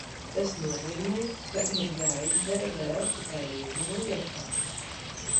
Tas nozīmē, ka ir jāizdara vēl tikai viena lieta.